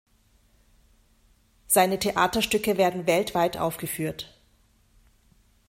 Seine Theaterstücke werden weltweit aufgeführt.